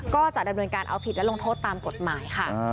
ก็จะดำเนินการเอาผิดและลงโทษตามกฎหมายค่ะ